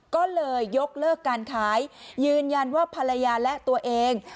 ก็เลยยกเลิกการขายยืนยันว่าภรรยาและตัวเอง